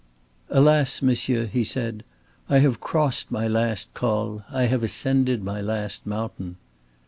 "Alas, monsieur," he said, "I have crossed my last Col. I have ascended my last mountain."